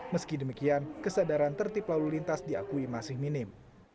meski demikian kesadaran tertip lalu lintas diakui masih minim